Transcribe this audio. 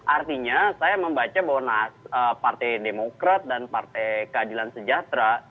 artinya saya membaca bahwa partai demokrat dan partai keadilan sejahtera